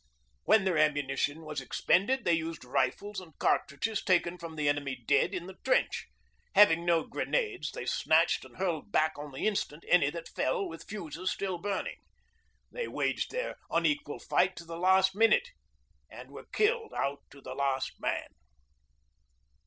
When their ammunition was expended they used rifles and cartridges taken from the enemy dead in the trench; having no grenades they snatched and hurled back on the instant any that fell with fuses still burning. They waged their unequal fight to the last minute and were killed out to the last man.